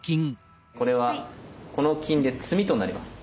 これはこの金で詰みとなります。